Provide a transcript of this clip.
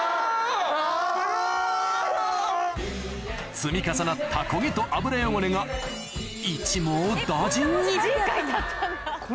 積み重なったコゲと油汚れが一網打尽に！